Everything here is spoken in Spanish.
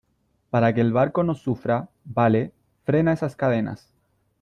para que el barco no sufra . vale . frena esas cadenas .